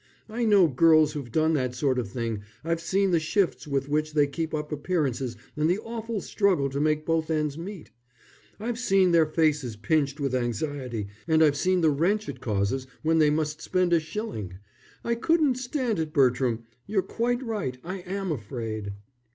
I know girls who've done that sort of thing. I've seen the shifts with which they keep up appearances and the awful struggle to make both ends meet. I've seen their faces pinched with anxiety, and I've seen the wrench it causes when they must spend a shilling. I couldn't stand it, Bertram. You're quite right; I am afraid."